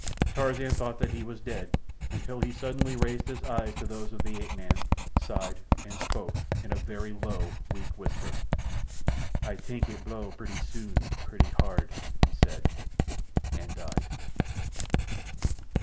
Tarzan thought that he was dead, until he suddenly raised his eyes to those of the ape man, sighed, and spoke—in a very low, weak whisper. "Ay tank it blow purty soon purty hard!" he said, and died.